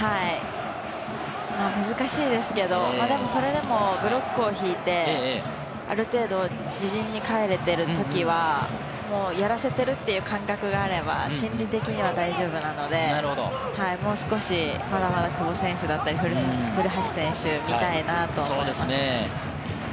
難しいですけれども、それでもブロックを敷いて、ある程度、自陣にかえれているときはやらせているという感覚があれば心理的には大丈夫なので、もう少し、まだまだ久保選手だったり古橋選手を見たいなと思います。